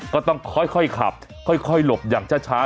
ก็ต้องค่อยขับค่อยหลบอย่างช้า